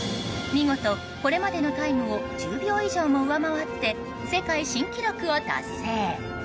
見事、これまでのタイムを１０秒以上も上回って世界新記録を達成。